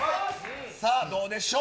さあ、どうでしょう？